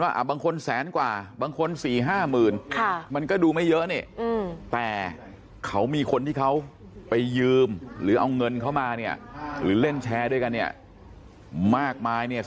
บางคนแสนกว่าบางคน๔๕หมื่นมันก็ดูไม่เยอะนี่แต่เขามีคนที่เขาไปยืมหรือเอาเงินเข้ามาเนี่ยหรือเล่นแชร์ด้วยกันเนี่ยมากมายเนี่ย